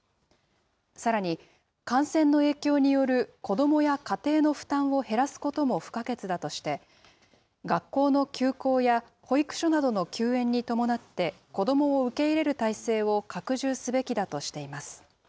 さらに、感染の影響による子どもや家庭の負担を減らすことも不可欠だとして、学校の休校や、保育所などの休園に伴って、子どもを受け入れる体制を拡充すべきだとしています。